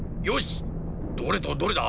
どれとどれだ？